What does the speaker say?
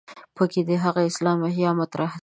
په کې د هغه اسلام احیا مطرح ده.